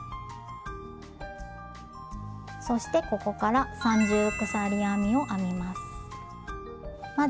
そしてここから三重鎖編みを編みます。